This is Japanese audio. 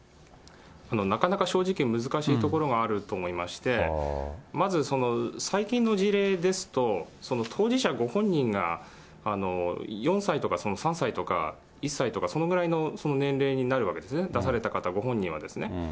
なかなか正直、難しいところがあると思いまして、まず最近の事例ですと、当事者ご本人が４歳とか３歳とか１歳とか、そのぐらいの年齢になるわけですね、出された方ご本人は。